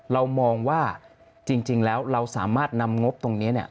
เรามองว่าจริงแล้วเราสามารถนำงบตรงนี้เนี่ย